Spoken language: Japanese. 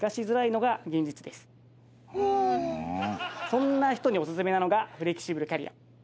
そんな人にオススメなのがフレキシブルキャリア。